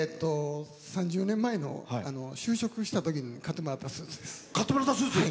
３０年前の就職したときに買ってもらったスーツです。